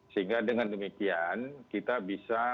sehingga dengan demikian kita bisa